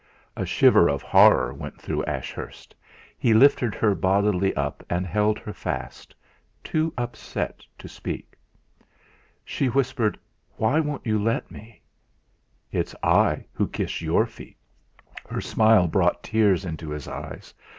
A shiver of horror went through Ashurst; he lifted her up bodily and held her fast too upset to speak. She whispered: "Why won't you let me?" "It's I who will kiss your feet!" Her smile brought tears into his eyes.